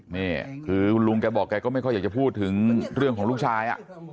นี่คือลุงแกบอกแกก็ไม่ค่อยอยากจะพูดถึงเรื่องของลูกชาย